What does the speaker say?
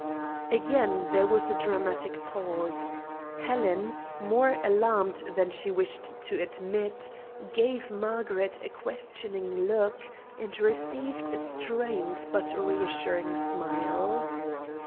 Again there was a dramatic pause. Helen, more alarmed than she wished to admit, gave Margaret a questioning look, and received a strained but reassuring smile.